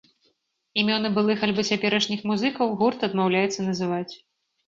Імёны былых альбо цяперашніх музыкаў гурт адмаўляецца называць.